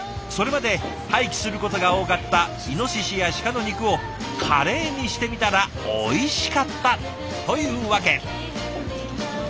それまで廃棄することが多かったイノシシやシカの肉をカレーにしてみたらおいしかったというわけ。